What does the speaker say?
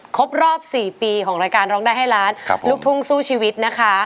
ครบรอบ๔ปีของรายการร้องได้ให้ล้านลูกทุ่งสู้ชีวิตนะคะ